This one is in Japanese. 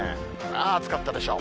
暑かったでしょ。